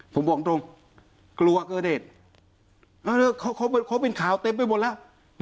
ผมบอกตรงกลัวเกินเหตุเขาเป็นข่าวเต็มไปหมดแล้ว